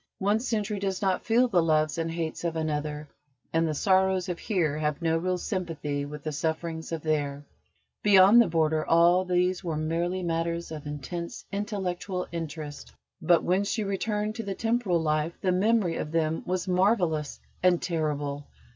One century does not feel the loves and hates of another, and the sorrows of Here have no real sympathy with the sufferings of There. Beyond the Border all these were merely matters of intense intellectual interest. But when she returned to the temporal life the memory of them was marvellous and terrible.